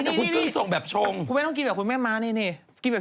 ไม่ต้องคนไว้มันให้ม็ดดาวนะคะ